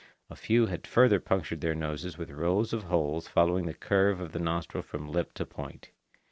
A few had further punctured their noses with rows of holes following the curves of the nostrils from lip to point.